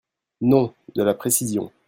Non, de la précision.